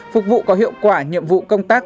phục vụ có hiệu quả nhiệm vụ công tác